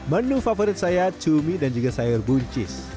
menu favorit saya cumi dan juga sayur buncis